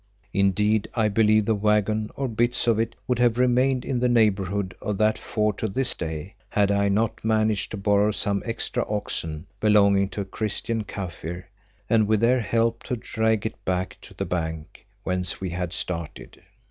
Indeed, I believe the waggon, or bits of it, would have remained in the neighbourhood of that ford to this day, had I not managed to borrow some extra oxen belonging to a Christian Kaffir, and with their help to drag it back to the bank whence we had started.